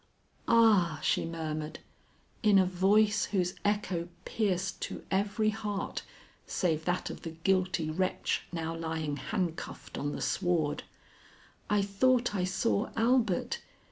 "Ah," she murmured, in a voice whose echo pierced to every heart save that of the guilty wretch now lying handcuffed on the sward, "I thought I saw Albert!